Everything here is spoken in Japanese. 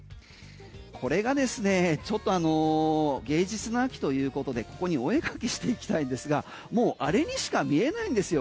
これがですねちょっと芸術の秋ということでここにお絵かきしていきたいんですがもうあれしか見えないんですよ